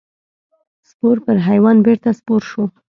سپور پر حیوان بېرته سپور شو.